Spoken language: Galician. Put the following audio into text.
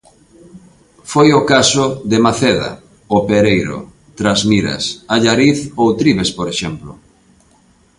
Foi o caso de Maceda, O Pereiro, Trasmiras, Allariz ou Trives, por exemplo.